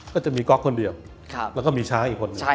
ก็จะมีก๊อกคนเดียวแล้วก็มีช้างอีกคนนึง